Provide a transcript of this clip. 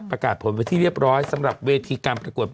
ประกาศผลไว้ที่เรียบร้อยสำหรับเวทีการประกวด